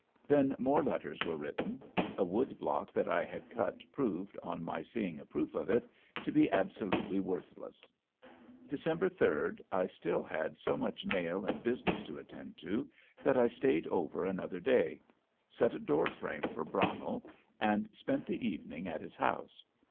Then more letters were written. A wood block that I had cut proved, on my seeing a proof of it, to be absolutely worthless. December third I had still so much mail and business to attend to that I stayed over another day. Set a door frame for Brownell and spent that evening at his house.